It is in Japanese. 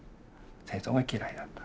戦争が嫌いだった。